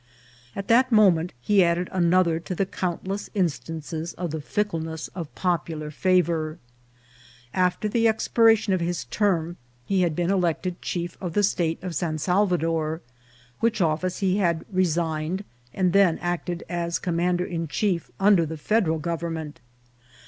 At that moment he added another to the countless instances of the fickleness of popular favour. After the expiration of his term he had been elected chief of the State of San Salvador, which office he had resigned, and then acted as commander in chief under the Federal Government.